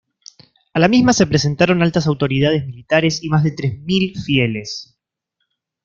A la misma se presentaron altas autoridades militares y más de tres mil fieles.